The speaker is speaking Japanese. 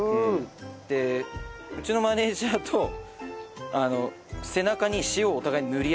でうちのマネージャーと背中に塩をお互い塗り合いっこして。